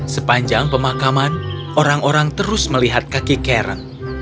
sepanjang pemakaman orang orang terus melihat kaki karen